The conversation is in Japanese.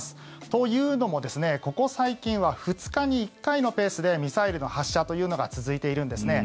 というのも、ここ最近は２日に１回のペースでミサイルの発射というのが続いているんですね。